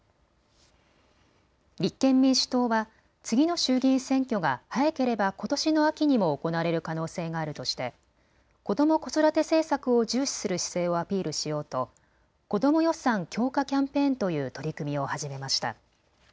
立憲民主党は次の衆議院選挙が早ければことしの秋にも行われる可能性があるとして子ども・子育て政策を重視する姿勢をアピールしようと子ども予算強化キャンペーンという取り組みを始めました。